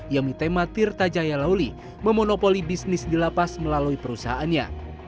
yami tema tirta jaya lauli memonopoli bisnis di lapas melalui perusahaannya